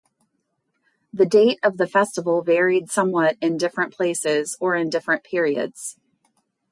The date of the festival varied somewhat in different places or in different periods.